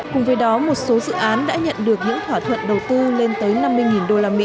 cùng với đó một số dự án đã nhận được những thỏa thuận đầu tư lên tới năm mươi usd